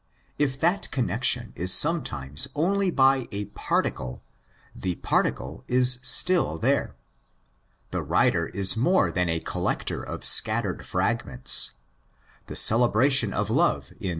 If that connexion is sometimes only by a particle (usually $4, the particle is still there. The writer is more than a THE FIRST EPISTLE 165 collector of scattered fragments. The celebration of love in ¢.